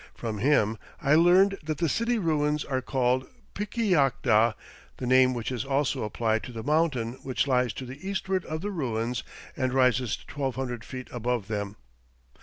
From him I learned that the city ruins are called Piquillacta, the name which is also applied to the mountain which lies to the eastward of the ruins and rises 1200 feet above them.